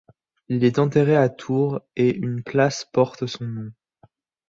Il est enterré à Tours et une place porte son nom.